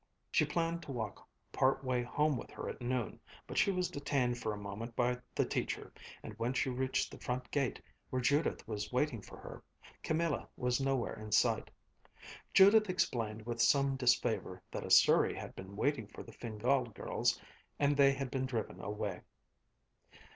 She planned to walk part way home with her at noon, but she was detained for a moment by the teacher, and when she reached the front gate, where Judith was waiting for her, Camilla was nowhere in sight. Judith explained with some disfavor that a surrey had been waiting for the Fingál girls and they had been driven away.